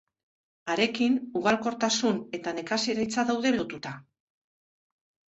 Harekin ugalkortasun eta nekazaritza daude lotuta.